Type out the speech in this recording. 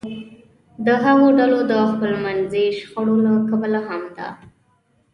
د هغو ډلو د خپلمنځي شخړو له کبله هم ده